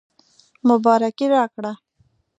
مبارکي راکړه.